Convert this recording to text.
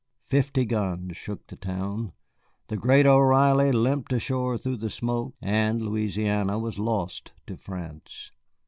Fifty guns shook the town, the great O'Reilly limped ashore through the smoke, and Louisiana was lost to France.